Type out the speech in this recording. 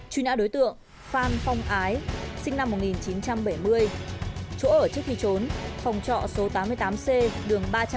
truy nã đối tượng phan phong ái sinh năm một nghìn chín trăm bảy mươi chỗ ở trước khi trốn phòng trọ số tám mươi tám c đường ba trăm sáu mươi